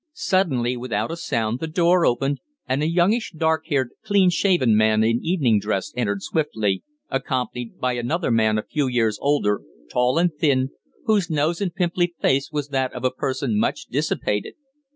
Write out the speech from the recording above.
Suddenly, without a sound, the door opened, and a youngish, dark haired, clean shaven man in evening dress entered swiftly, accompanied by another man a few years older, tall and thin, whose nose and pimply face was that of a person much dissipated.